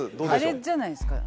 あれじゃないですか？